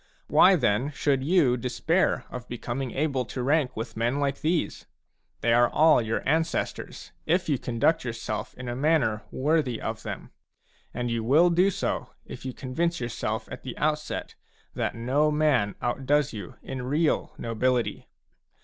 Why then should you despair of becoming able to rank with men like these ? They are all your ancestors, if you conduct yourself in a manner worthy of them ; and you will do so if you convince yourself at the outset that no man outdoes you in real nobility.